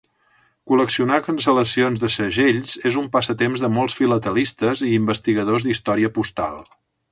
Col·leccionar cancel·lacions de segells és un passatemps de molts filatelistes i investigadors d'història postal.